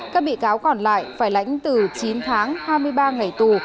các bị cáo còn lại phải lãnh từ chín tháng hai mươi ba ngày tù